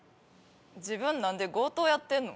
自分何で強盗やってんの？